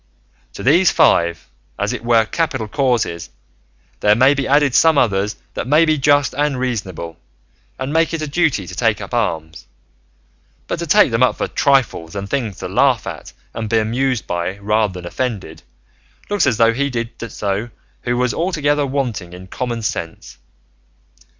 To these five, as it were capital causes, there may be added some others that may be just and reasonable, and make it a duty to take up arms; but to take them up for trifles and things to laugh at and be amused by rather than offended, looks as though he who did so was altogether wanting in common sense.